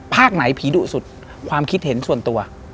ภาคไหนผีดู่กว่าสุดความคิดเห็นส่วนตัว